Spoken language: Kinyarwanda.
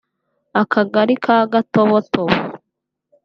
Akagari ka Gatobotobo